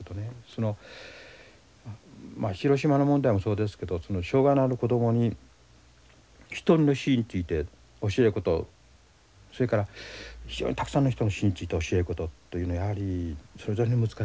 そのまあ広島の問題もそうですけど障害のある子どもに一人の死について教えることそれから非常にたくさんの人の死について教えることというのはやはりそれぞれに難しいと思うんです。